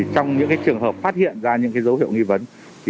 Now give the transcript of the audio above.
trong những trường hợp phát hiện ra những dấu hiệu nghi vấn